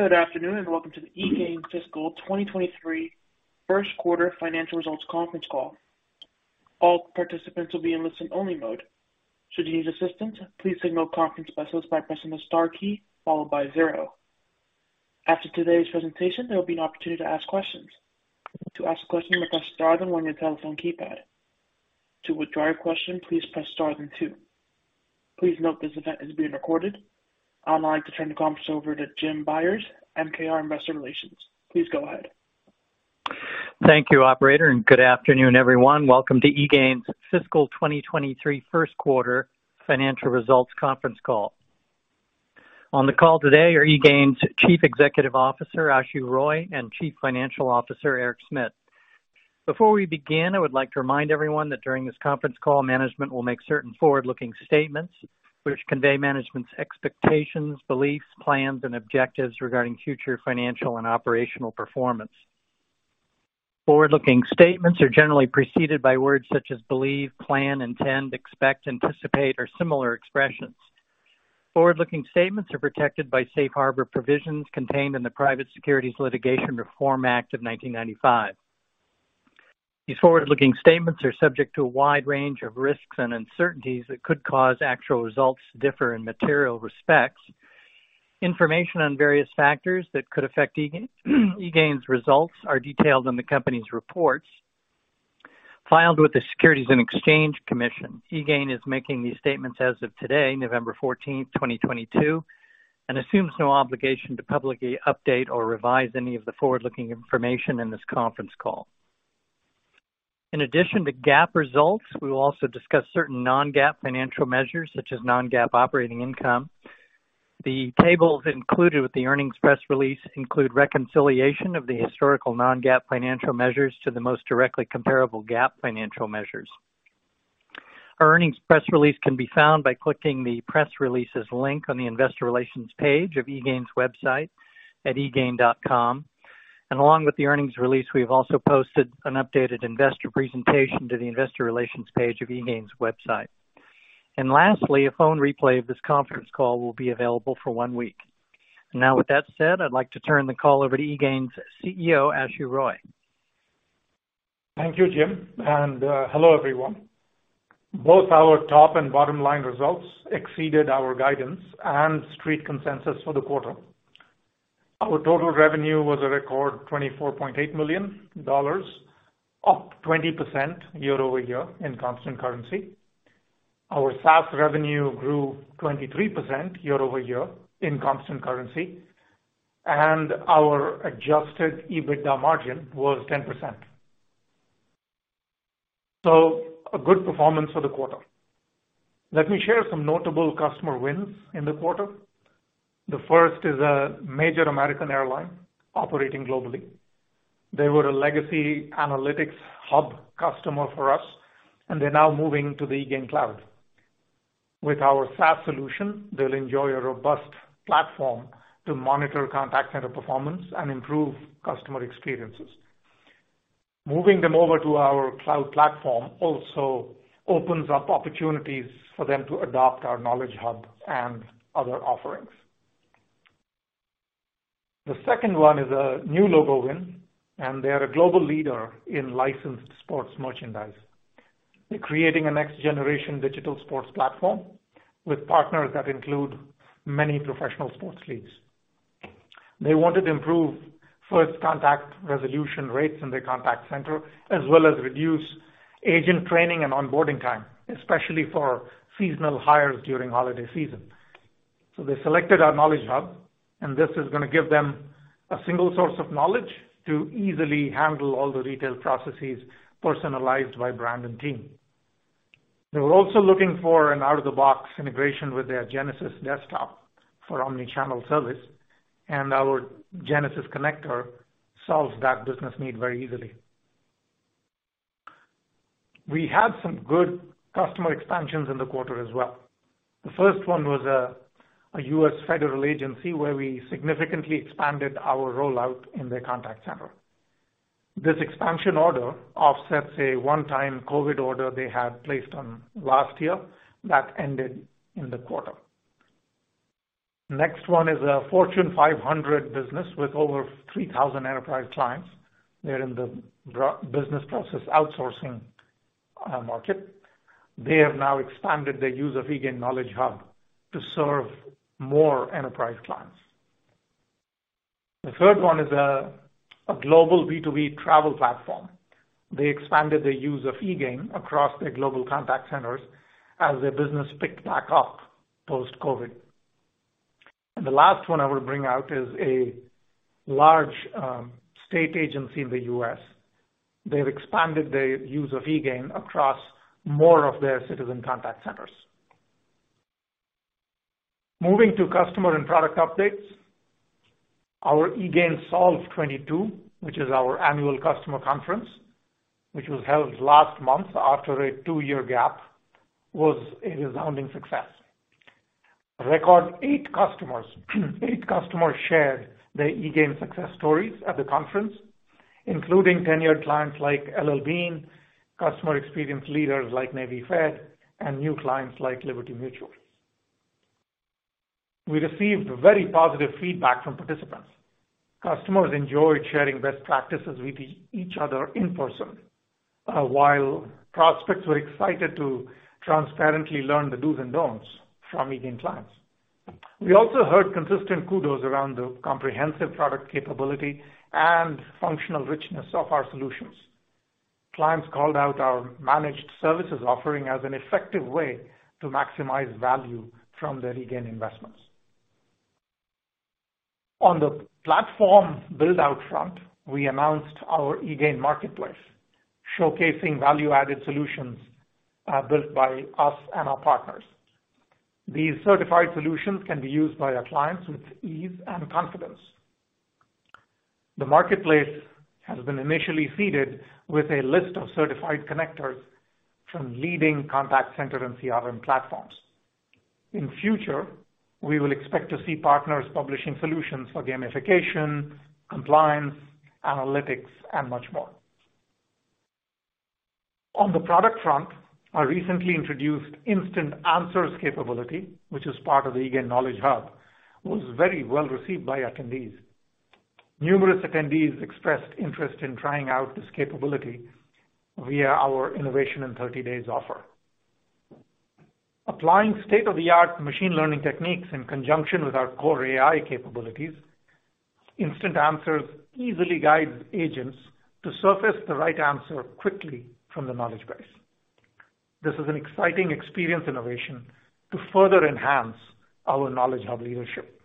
Good afternoon, and welcome to the eGain Fiscal 2023 first quarter financial results conference call. All participants will be in listen-only mode. Should you need assistance, please signal conference hostess by pressing the star key followed by zero. After today's presentation, there will be an opportunity to ask questions. To ask a question, press star then one on your telephone keypad. To withdraw your question, please press star then two. Please note this event is being recorded. I'd like to turn the conference over to Jim Byers, MKR Investor Relations. Please go ahead. Thank you, operator, and good afternoon, everyone. Welcome to eGain's Fiscal 2023 first quarter financial results conference call. On the call today are eGain's Chief Executive Officer, Ashu Roy, and Chief Financial Officer, Eric Smit. Before we begin, I would like to remind everyone that during this conference call, management will make certain forward-looking statements which convey management's expectations, beliefs, plans, and objectives regarding future financial and operational performance. Forward-looking statements are generally preceded by words such as believe, plan, intend, expect, anticipate, or similar expressions. Forward-looking statements are protected by safe harbor provisions contained in the Private Securities Litigation Reform Act of 1995. These forward-looking statements are subject to a wide range of risks and uncertainties that could cause actual results to differ in material respects. Information on various factors that could affect eGain's results are detailed in the company's reports filed with the Securities and Exchange Commission. eGain is making these statements as of today, November 14, 2022, and assumes no obligation to publicly update or revise any of the forward-looking information in this conference call. In addition to GAAP results, we will also discuss certain non-GAAP financial measures, such as non-GAAP operating income. The tables included with the earnings press release include reconciliation of the historical non-GAAP financial measures to the most directly comparable GAAP financial measures. Our earnings press release can be found by clicking the Press Releases link on the Investor Relations page of eGain's website at egain.com. Along with the earnings release, we have also posted an updated investor presentation to the Investor Relations page of eGain's website. Lastly, a phone replay of this conference call will be available for one week. Now, with that said, I'd like to turn the call over to eGain's CEO, Ashu Roy. Thank you, Jim, and, hello, everyone. Both our top and bottom line results exceeded our guidance and street consensus for the quarter. Our total revenue was a record $24.8 million, up 20% year-over-year in constant currency. Our SaaS revenue grew 23% year-over-year in constant currency, and our Adjusted EBITDA margin was 10%. A good performance for the quarter. Let me share some notable customer wins in the quarter. The first is a major American airline operating globally. They were a legacy Analytics Hub customer for us, and they're now moving to the eGain Cloud. With our SaaS solution, they'll enjoy a robust platform to monitor contact center performance and improve customer experiences. Moving them over to our cloud platform also opens up opportunities for them to adopt our Knowledge Hub and other offerings. The second one is a new logo win, and they are a global leader in licensed sports merchandise. They're creating a next-generation digital sports platform with partners that include many professional sports leagues. They wanted to improve first contact resolution rates in their contact center, as well as reduce agent training and onboarding time, especially for seasonal hires during holiday season. They selected our Knowledge Hub, and this is gonna give them a single source of knowledge to easily handle all the retail processes personalized by brand and team. They were also looking for an out-of-the-box integration with their Genesys desktop for omni-channel service, and our Genesys Connector solves that business need very easily. We had some good customer expansions in the quarter as well. The first one was a U.S. federal agency where we significantly expanded our rollout in their contact center. This expansion order offsets a one-time COVID order they had placed on last year that ended in the quarter. Next one is a Fortune 500 business with over 3,000 enterprise clients. They're in the business process outsourcing market. They have now expanded their use of eGain Knowledge Hub to serve more enterprise clients. The third one is a global B2B travel platform. They expanded their use of eGain across their global contact centers as their business picked back up post-COVID. The last one I will bring out is a large state agency in the U.S. They've expanded their use of eGain across more of their citizen contact centers. Moving to customer and product updates. Our eGain Solve 22, which is our annual customer conference, which was held last month after a 2-year gap, was a resounding success. Eight customers shared their eGain success stories at the conference. Including tenured clients like L.L.Bean, customer experience leaders like Navy Fed, and new clients like Liberty Mutual. We received very positive feedback from participants. Customers enjoyed sharing best practices with each other in person, while prospects were excited to transparently learn the dos and don'ts from eGain clients. We also heard consistent kudos around the comprehensive product capability and functional richness of our solutions. Clients called out our managed services offering as an effective way to maximize value from their eGain investments. On the platform build-out front, we announced our eGain Marketplace, showcasing value-added solutions, built by us and our partners. These certified solutions can be used by our clients with ease and confidence. The Marketplace has been initially seeded with a list of certified connectors from leading contact center and CRM platforms. In future, we will expect to see partners publishing solutions for gamification, compliance, analytics, and much more. On the product front, our recently introduced Instant Answers capability, which is part of the eGain Knowledge Hub, was very well received by attendees. Numerous attendees expressed interest in trying out this capability via our Innovation in 30 Days offer. Applying state-of-the-art machine learning techniques in conjunction with our core AI capabilities, Instant Answers easily guides agents to surface the right answer quickly from the knowledge base. This is an exciting experience innovation to further enhance our knowledge leadership.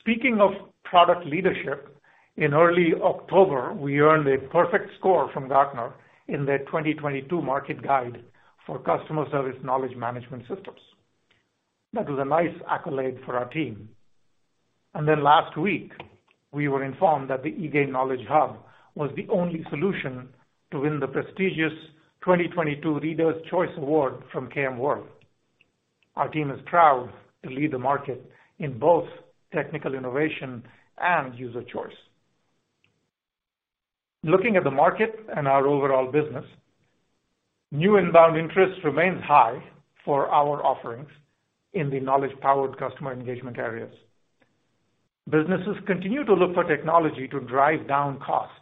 Speaking of product leadership, in early October, we earned a perfect score from Gartner in their 2022 market guide for customer service knowledge management systems. That was a nice accolade for our team. Last week, we were informed that the eGain Knowledge Hub was the only solution to win the prestigious 2022 Readers' Choice Award from KMWorld. Our team is proud to lead the market in both technical innovation and user choice. Looking at the market and our overall business, new inbound interest remains high for our offerings in the knowledge-powered customer engagement areas. Businesses continue to look for technology to drive down costs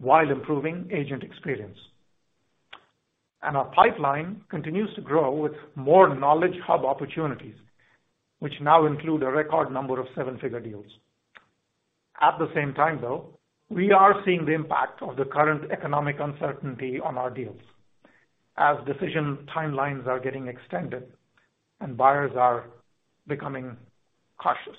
while improving agent experience. Our pipeline continues to grow with more Knowledge Hub opportunities, which now include a record number of seven-figure deals. At the same time, though, we are seeing the impact of the current economic uncertainty on our deals as decision timelines are getting extended and buyers are becoming cautious.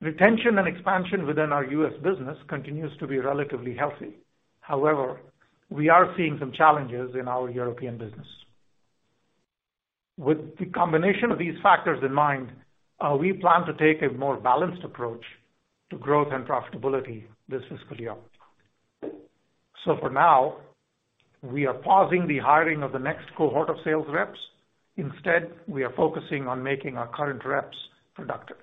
Retention and expansion within our U.S. business continues to be relatively healthy. However, we are seeing some challenges in our European business. With the combination of these factors in mind, we plan to take a more balanced approach to growth and profitability this fiscal year. For now, we are pausing the hiring of the next cohort of sales reps. Instead, we are focusing on making our current reps productive.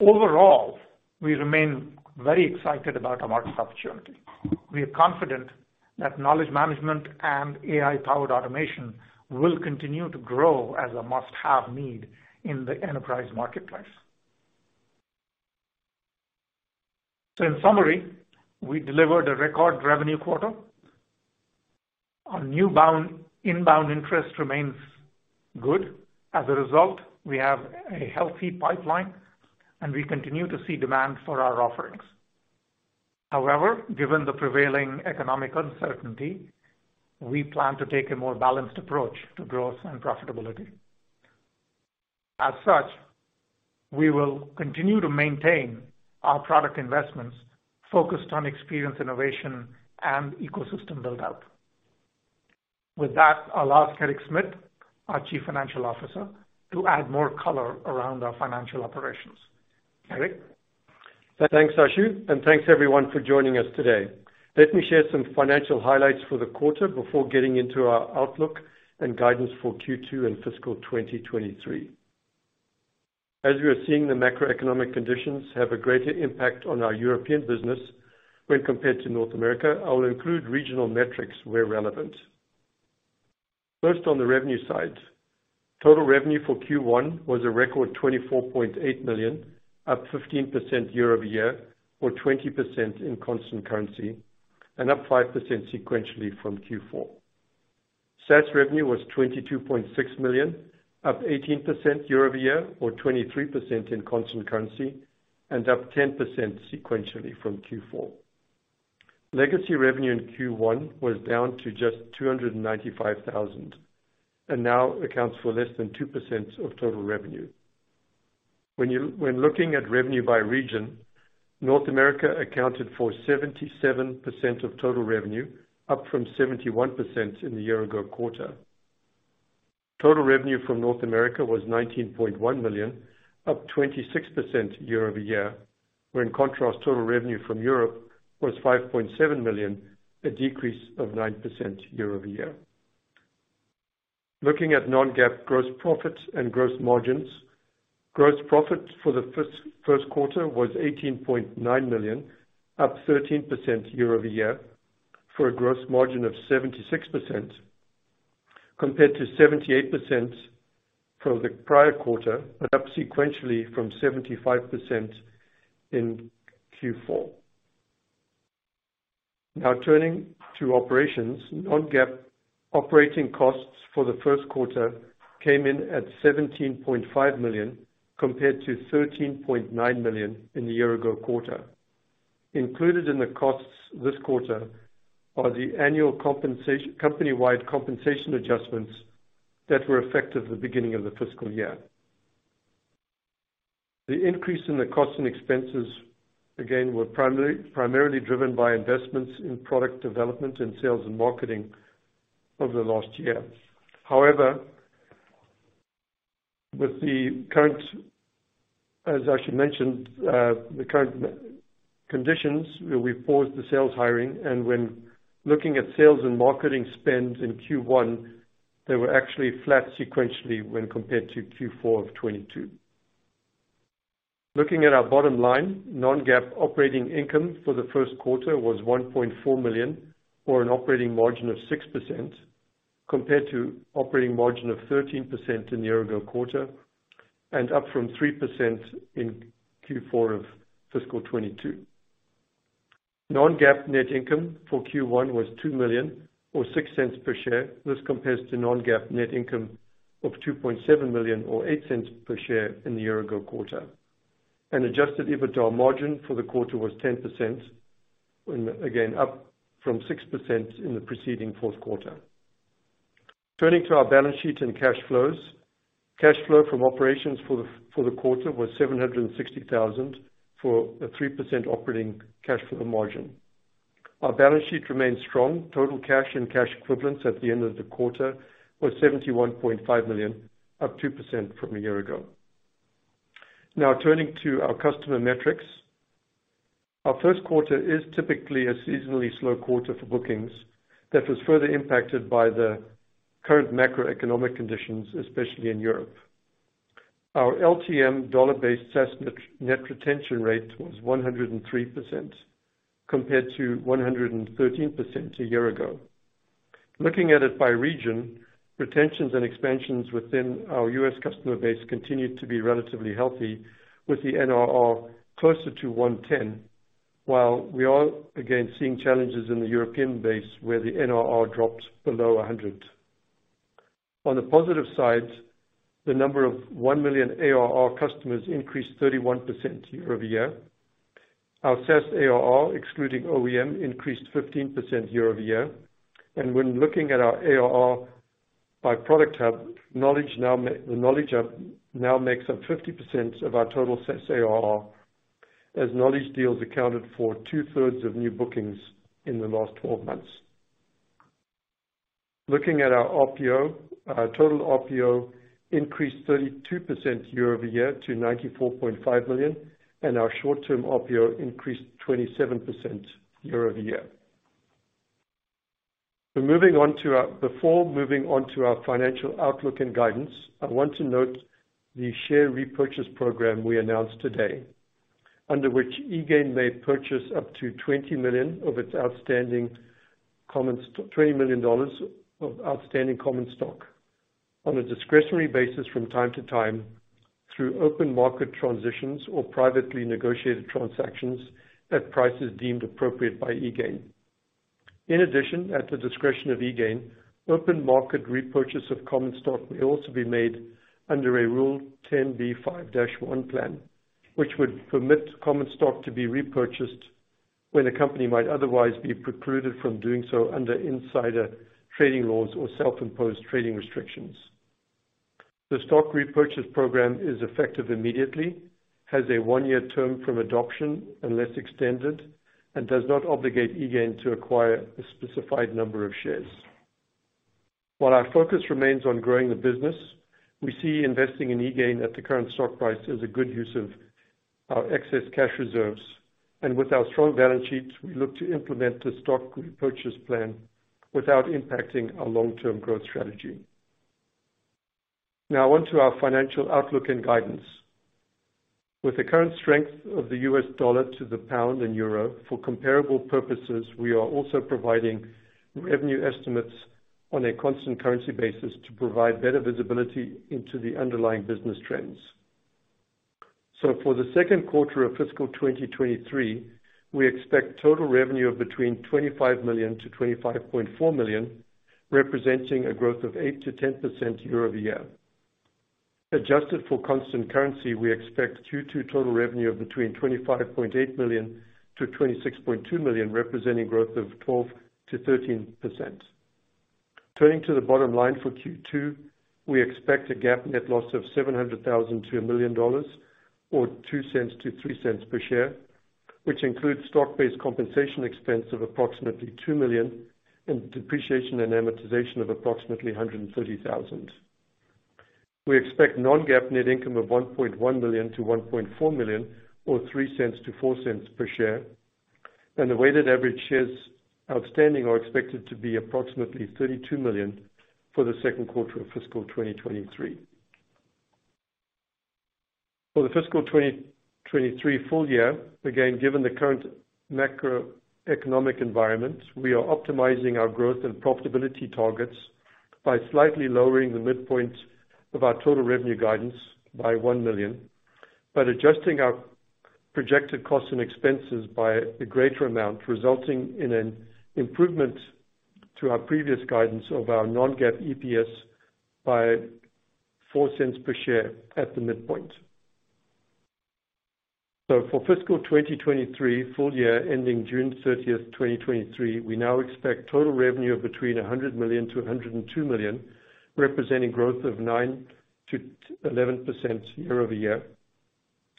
Overall, we remain very excited about our market opportunity. We are confident that knowledge management and AI-powered automation will continue to grow as a must-have need in the enterprise marketplace. In summary, we delivered a record revenue quarter. Our inbound interest remains good. As a result, we have a healthy pipeline, and we continue to see demand for our offerings. However, given the prevailing economic uncertainty, we plan to take a more balanced approach to growth and profitability. As such, we will continue to maintain our product investments focused on experience, innovation, and ecosystem build-out. With that, I'll ask Eric Smit, our Chief Financial Officer, to add more color around our financial operations. Eric? Thanks, Ashu, and thanks everyone for joining us today. Let me share some financial highlights for the quarter before getting into our outlook and guidance for Q2 and fiscal 2023. We are seeing the macroeconomic conditions have a greater impact on our European business when compared to North America. I will include regional metrics where relevant. First, on the revenue side. Total revenue for Q1 was a record $24.8 million, up 15% year-over-year, or 20% in constant currency, and up 5% sequentially from Q4. SaaS revenue was $22.6 million, up 18% year-over-year, or 23% in constant currency, and up 10% sequentially from Q4. Legacy revenue in Q1 was down to just $295,000 and now accounts for less than 2% of total revenue. When looking at revenue by region, North America accounted for 77% of total revenue, up from 71% in the year-ago quarter. Total revenue from North America was $19.1 million, up 26% year-over-year, where in contrast, total revenue from Europe was $5.7 million, a decrease of 9% year-over-year. Looking at non-GAAP gross profits and gross margins, gross profit for the first quarter was $18.9 million, up 13% year-over-year for a gross margin of 76% compared to 78% for the prior quarter, but up sequentially from 75% in Q4. Now turning to operations, non-GAAP operating costs for the first quarter came in at $17.5 million compared to $13.9 million in the year-ago quarter. Included in the costs this quarter are the annual company-wide compensation adjustments that were effective at the beginning of the fiscal year. The increase in the costs and expenses, again, were primarily driven by investments in product development and sales and marketing over the last year. However, as Ashu mentioned, the current conditions where we paused the sales hiring and when looking at sales and marketing spend in Q1, they were actually flat sequentially when compared to Q4 of 2022. Looking at our bottom line, non-GAAP operating income for the first quarter was $1.4 million, or an operating margin of 6% compared to operating margin of 13% in the year ago quarter and up from 3% in Q4 of fiscal 2022. Non-GAAP net income for Q1 was $2 million or $0.06 per share. This compares to non-GAAP net income of $2.7 million or $0.08 per share in the year-ago quarter. Adjusted EBITDA margin for the quarter was 10%, and again, up from 6% in the preceding fourth quarter. Turning to our balance sheet and cash flows. Cash flow from operations for the quarter was $760,000 for a 3% operating cash flow margin. Our balance sheet remains strong. Total cash and cash equivalents at the end of the quarter were $71.5 million, up 2% from a year ago. Now turning to our customer metrics. Our first quarter is typically a seasonally slow quarter for bookings that was further impacted by the current macroeconomic conditions, especially in Europe. Our LTM dollar-based SaaS net retention rate was 103% compared to 113% a year ago. Looking at it by region, retentions and expansions within our U.S. customer base continued to be relatively healthy, with the NRR closer to 110, while we are again seeing challenges in the European base where the NRR dropped below 100. On the positive side, the number of $1 million ARR customers increased 31% year-over-year. Our SaaS ARR, excluding OEM, increased 15% year-over-year. When looking at our ARR by product hub, the knowledge hub now makes up 50% of our total SaaS ARR, as knowledge deals accounted for 2/3 of new bookings in the last 12 months. Looking at our OPO, our total OPO increased 32% year-over-year to $94.5 million, and our short-term OPO increased 27% year-over-year. Before moving on to our financial outlook and guidance, I want to note the share repurchase program we announced today, under which eGain may purchase up to $20 million of its outstanding common stock on a discretionary basis from time to time through open market transactions or privately negotiated transactions at prices deemed appropriate by eGain. In addition, at the discretion of eGain, open market repurchase of common stock may also be made under a Rule 10b5-1 plan, which would permit common stock to be repurchased when a company might otherwise be precluded from doing so under insider trading laws or self-imposed trading restrictions. The stock repurchase program is effective immediately, has a one-year term from adoption unless extended, and does not obligate eGain to acquire a specified number of shares. While our focus remains on growing the business, we see investing in eGain at the current stock price as a good use of our excess cash reserves, and with our strong balance sheet, we look to implement the stock repurchase plan without impacting our long-term growth strategy. Now on to our financial outlook and guidance. With the current strength of the U.S. dollar to the pound and euro, for comparable purposes, we are also providing revenue estimates on a constant currency basis to provide better visibility into the underlying business trends. For the second quarter of fiscal 2023, we expect total revenue of between $25 million-$25.4 million, representing a growth of 8%-10% year-over-year. Adjusted for constant currency, we expect Q2 total revenue of between $25.8 million-$26.2 million, representing growth of 12%-13%. Turning to the bottom line for Q2, we expect a GAAP net loss of $700,000-$1 million or $0.02-$0.03 per share, which includes stock-based compensation expense of approximately $2 million and depreciation and amortization of approximately $130,000. We expect non-GAAP net income of $1.1 million-$1.4 million or $0.03-$0.04 per share, and the weighted average shares outstanding are expected to be approximately 32 million for the second quarter of fiscal 2023. For the fiscal 2023 full year. Given the current macroeconomic environment, we are optimizing our growth and profitability targets by slightly lowering the midpoint of our total revenue guidance by $1 million, but adjusting our projected costs and expenses by a greater amount, resulting in an improvement to our previous guidance of our non-GAAP EPS by $0.04 per share at the midpoint. For fiscal 2023 full year ending June 30, 2023, we now expect total revenue of between $100 million-$102 million, representing growth of 9%-11% year over year.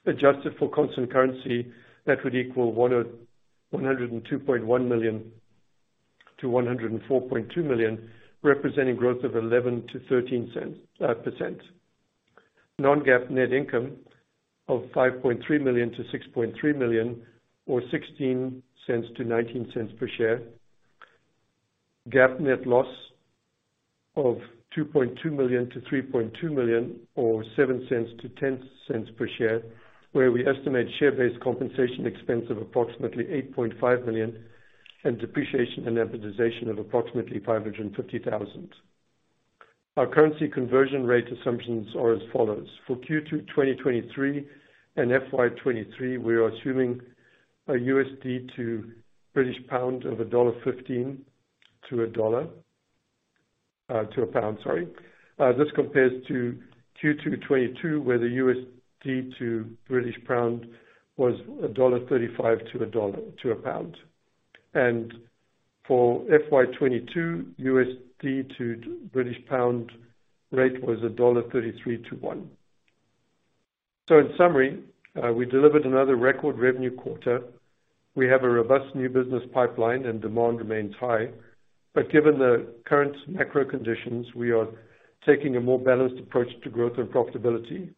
Adjusted for constant currency, that would equal $102.1 million-$104.2 million, representing growth of 11%-13%. Non-GAAP net income of $5.3 million-$6.3 million, or $0.16-$0.19 per share. GAAP net loss of $2.2 million to $3.2 million, or $0.07 to $0.10 per share, where we estimate share-based compensation expense of approximately $8.5 million and depreciation and amortization of approximately $550,000. Our currency conversion rate assumptions are as follows. For Q2 2023 and FY 2023, we are assuming a USD to British pound of $1.15 to a pound. This compares to Q2 2022, where the USD to British pound was $1.35 to a pound. For FY 2022, USD to British pound rate was $1.33 to $1. In summary, we delivered another record revenue quarter. We have a robust new business pipeline, and demand remains high. Given the current macro conditions, we are taking a more balanced approach to growth and profitability.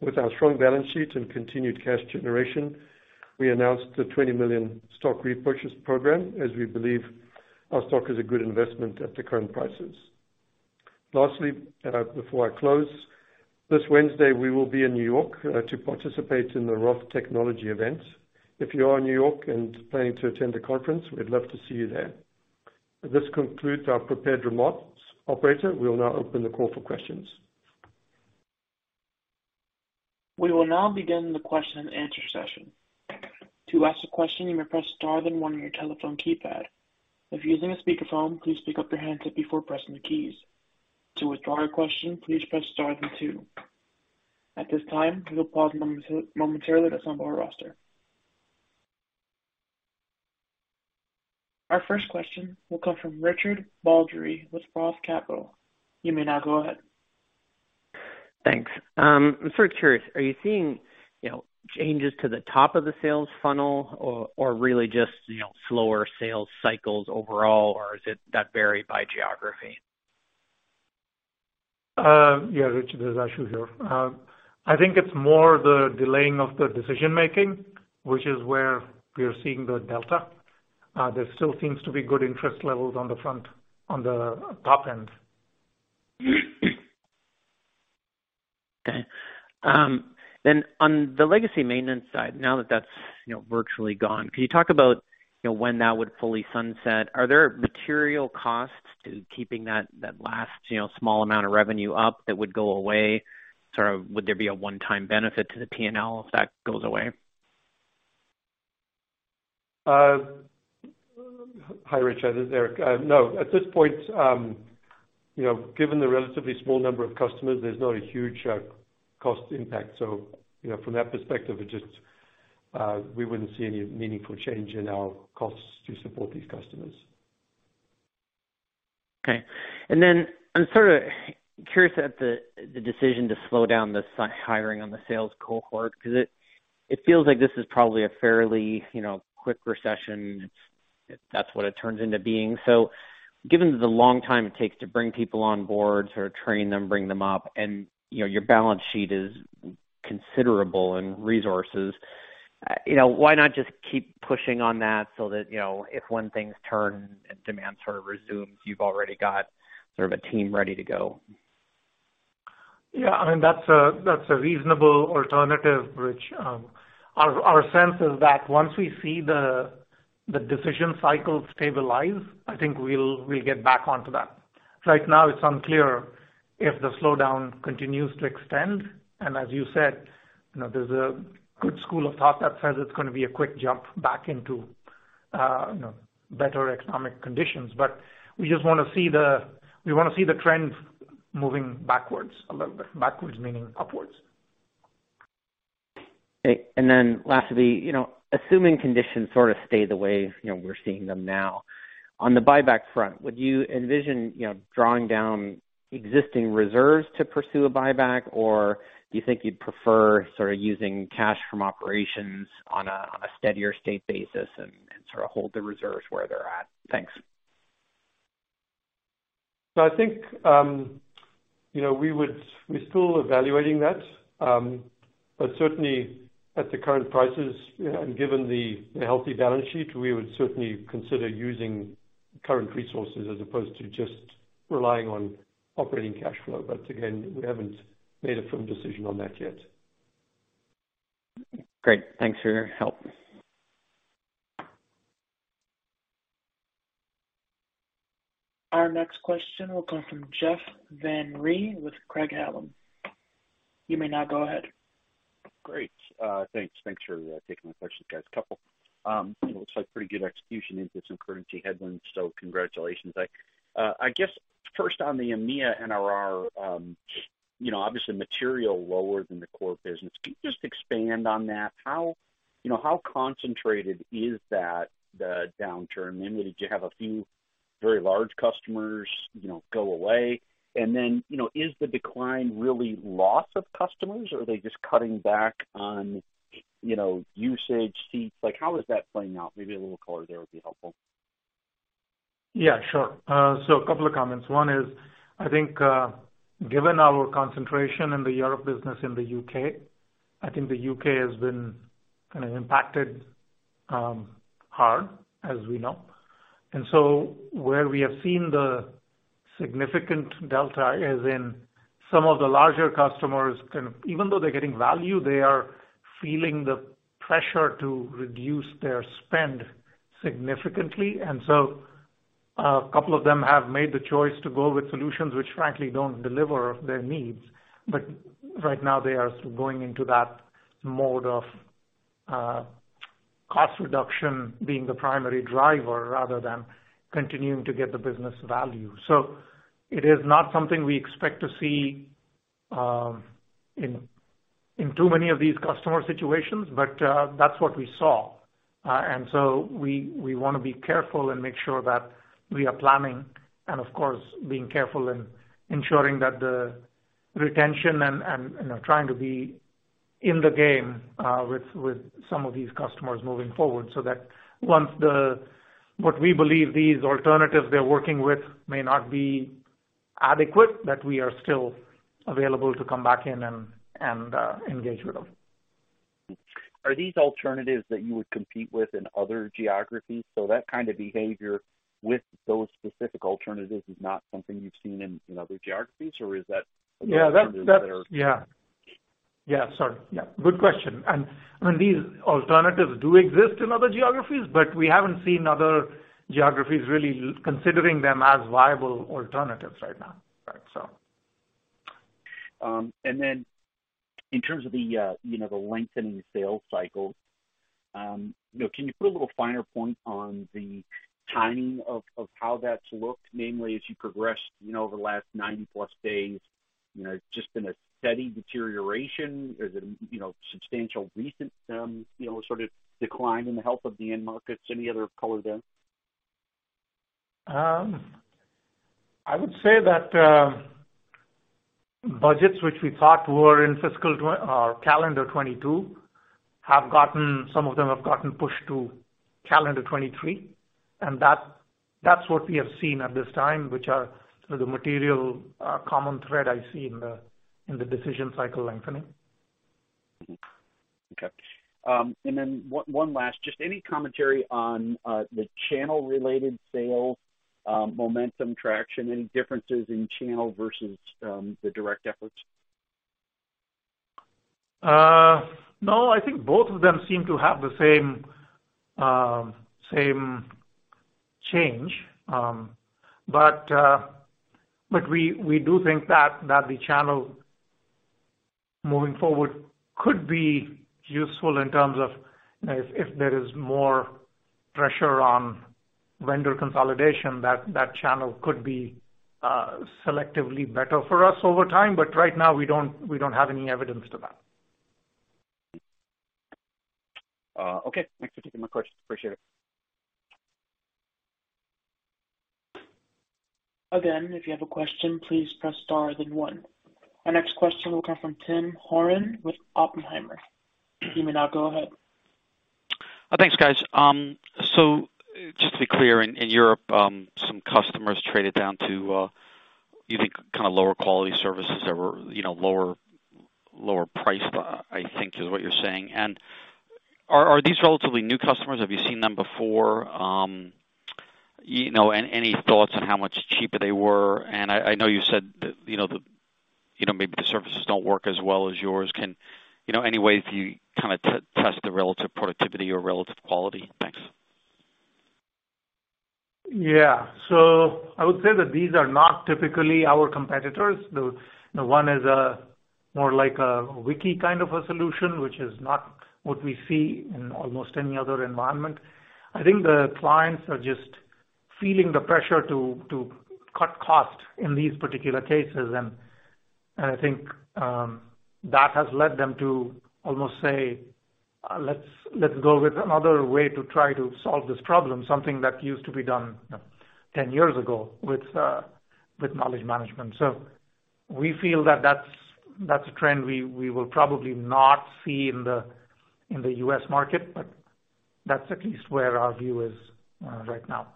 With our strong balance sheet and continued cash generation, we announced the $20 million stock repurchase program, as we believe our stock is a good investment at the current prices. Lastly, before I close, this Wednesday, we will be in New York to participate in the Roth Technology Conference. If you are in New York and planning to attend the conference, we'd love to see you there. This concludes our prepared remarks. Operator, we will now open the call for questions. We will now begin the question and answer session. To ask a question, you may press star then one on your telephone keypad. If using a speakerphone, please pick up your handset before pressing the keys. To withdraw your question, please press star then two. At this time, we will pause momentarily to assemble our roster. Our first question will come from Richard Baldry with Roth Capital. You may now go ahead. Thanks. I'm sort of curious, are you seeing, you know, changes to the top of the sales funnel or really just, you know, slower sales cycles overall, or is it that vary by geography? Yeah, Richard, it's Ashu here. I think it's more the delaying of the decision making, which is where we are seeing the delta. There still seems to be good interest levels on the front, on the top end. Okay. On the legacy maintenance side, now that that's, you know, virtually gone, can you talk about, you know, when that would fully sunset? Are there material costs to keeping that last, you know, small amount of revenue up that would go away? Sort of would there be a one-time benefit to the P&L if that goes away? Hi, Rich, this is Eric. No. At this point, you know, given the relatively small number of customers, there's not a huge cost impact. You know, from that perspective, we wouldn't see any meaningful change in our costs to support these customers. Okay. I'm sort of curious about the decision to slow down the hiring on the sales cohort, 'cause it feels like this is probably a fairly, you know, quick recession if that's what it turns into being. Given the long time it takes to bring people on board, sort of train them, bring them up and, you know, your balance sheet is considerable in resources, you know, why not just keep pushing on that so that, you know, if when things turn and demand sort of resumes, you've already got sort of a team ready to go? Yeah, I mean, that's a reasonable alternative, Rich. Our sense is that once we see the decision cycle stabilize, I think we'll get back onto that. Right now it's unclear if the slowdown continues to extend, and as you said, you know, there's a good school of thought that says it's gonna be a quick jump back into, you know, better economic conditions. We just wanna see the trend moving backwards a little bit. Backwards meaning upwards. Okay. Then lastly, you know, assuming conditions sort of stay the way, you know, we're seeing them now, on the buyback front, would you envision, you know, drawing down existing reserves to pursue a buyback, or you think you'd prefer sort of using cash from operations on a steadier state basis and sort of hold the reserves where they're at? Thanks. I think we're still evaluating that. Certainly at the current prices and given the healthy balance sheet, we would certainly consider using current resources as opposed to just relying on operating cash flow. Again, we haven't made a firm decision on that yet. Great. Thanks for your help. Our next question will come from Jeff Van Rhee with Craig-Hallum. You may now go ahead. Great. Thanks. Thanks for taking my questions, guys. A couple. It looks like pretty good execution into some currency headwinds, so congratulations. I guess first on the EMEIA NRR, you know, obviously material lower than the core business. Can you just expand on that? How, you know, how concentrated is that, the downturn? Did you have a few very large customers, you know, go away? Is the decline really loss of customers, or are they just cutting back on, you know, usage seats? Like, how is that playing out? Maybe a little color there would be helpful. Yeah, sure. So a couple of comments. One is, I think, given our concentration in the European business in the U.K., I think the U.K. has been kind of impacted hard, as we know. Where we have seen the significant delta is in some of the larger customers. Even though they're getting value, they are feeling the pressure to reduce their spend significantly. A couple of them have made the choice to go with solutions which frankly don't deliver their needs. Right now they are going into that mode of cost reduction being the primary driver rather than continuing to get the business value. It is not something we expect to see in too many of these customer situations, but that's what we saw. We wanna be careful and make sure that we are planning and of course, being careful in ensuring that the retention and you know, trying to be in the game with some of these customers moving forward so that once what we believe these alternatives they're working with may not be adequate, that we are still available to come back in and engage with them. Are these alternatives that you would compete with in other geographies? That kind of behavior with those specific alternatives is not something you've seen in other geographies? Is that- Yeah. That alternatives that are Yeah. Sorry. Good question. I mean, these alternatives do exist in other geographies, but we haven't seen other geographies really considering them as viable alternatives right now. Right. In terms of the, you know, the lengthening sales cycle, you know, can you put a little finer point on the timing of of how that's looked, namely as you progressed, you know, over the last 90+ days, you know, it's just been a steady deterioration? Is it, you know, substantial recent, you know, sort of decline in the health of the end markets? Any other color there? I would say that budgets which we thought were in or calendar 2022, some of them have gotten pushed to calendar 2023, and that's what we have seen at this time, which are sort of material common thread I see in the decision cycle lengthening. Okay. One last. Just any commentary on the channel related sales, momentum traction, any differences in channel versus the direct efforts? No. I think both of them seem to have the same change. We do think that the channel moving forward could be useful in terms of, you know, if there is more pressure on vendor consolidation, that channel could be selectively better for us over time. Right now we don't have any evidence to that. Okay. Thanks for taking my questions. Appreciate it. Again, if you have a question, please press star then one. Our next question will come from Tim Horan with Oppenheimer. You may now go ahead. Thanks, guys. Just to be clear, in Europe, some customers traded down to you think kinda lower quality services or, you know, lower price, I think is what you're saying. Are these relatively new customers? Have you seen them before? You know, any thoughts on how much cheaper they were? I know you said that, you know, the you know maybe the services don't work as well as yours. Can you know any ways you kinda test the relative productivity or relative quality? Thanks. Yeah. I would say that these are not typically our competitors. The one is more like a wiki kind of a solution, which is not what we see in almost any other environment. I think the clients are just feeling the pressure to cut costs in these particular cases. I think that has led them to almost say, "Let's go with another way to try to solve this problem," something that used to be done, you know, 10 years ago with knowledge management. We feel that that's a trend we will probably not see in the U.S. market, but that's at least where our view is right now.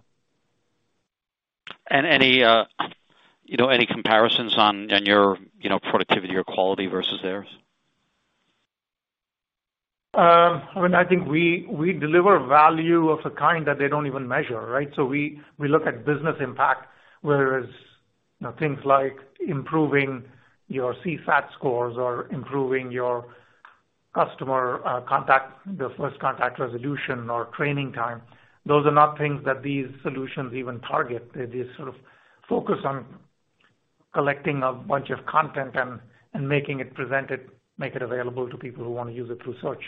Any, you know, comparisons on your, you know, productivity or quality versus theirs? I mean, I think we deliver value of a kind that they don't even measure, right? We look at business impact, whereas, you know, things like improving your CSAT scores or improving your customer contact, the first contact resolution or training time. Those are not things that these solutions even target. They just sort of focus on collecting a bunch of content and making it available to people who wanna use it through search.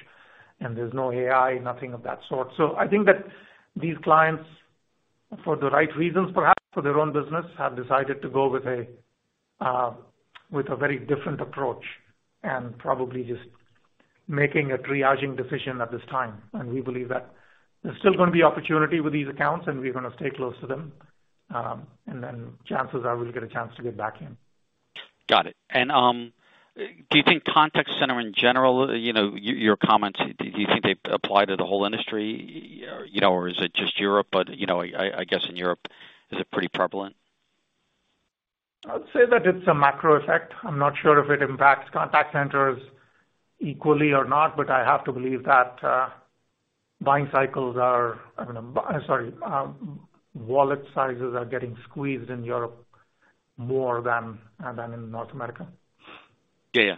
There's no AI, nothing of that sort. I think that these clients, for the right reasons, perhaps for their own business, have decided to go with a very different approach and probably just making a triaging decision at this time. We believe that there's still gonna be opportunity with these accounts, and we're gonna stay close to them. Chances are we'll get a chance to get back in. Got it. Do you think contact center in general, you know, your comments, do you think they apply to the whole industry, you know, or is it just Europe? You know, I guess in Europe, is it pretty prevalent? I would say that it's a macro effect. I'm not sure if it impacts contact centers equally or not, but I have to believe that wallet sizes are getting squeezed in Europe more than in North America. Yeah. Yeah.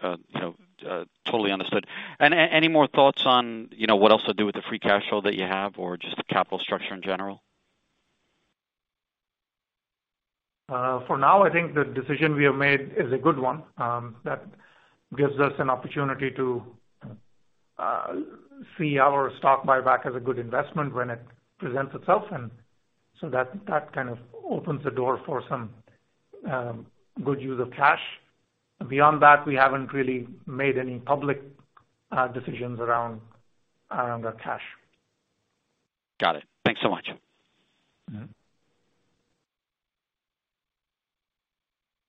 Sure. You know, totally understood. Any more thoughts on, you know, what else to do with the free cash flow that you have or just the capital structure in general? For now, I think the decision we have made is a good one, that gives us an opportunity to see our stock buyback as a good investment when it presents itself. That kind of opens the door for some good use of cash. Beyond that, we haven't really made any public decisions around our cash. Got it. Thanks so much. Mm-hmm.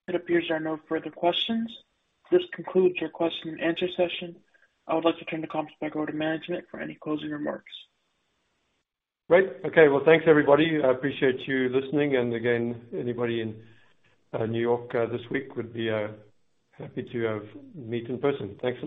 It appears there are no further questions. This concludes your question and answer session. I would like to turn the conference back over to management for any closing remarks. Great. Okay. Well, thanks, everybody. I appreciate you listening. Again, anybody in New York this week would be happy to have meet in person. Thanks a lot.